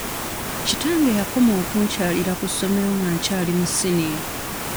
Kitange yakoma okunkyalira ku ssomero nga kyali mu siniya.